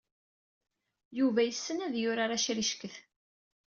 Yuba yessen ad yurar acricket.